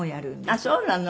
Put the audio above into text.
あっそうなの。